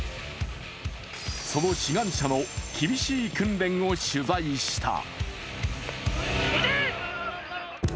その志願者の厳しい訓練を取材した。